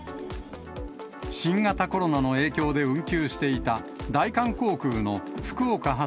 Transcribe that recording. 新型コロナの影響で運休していた、大韓航空の福岡発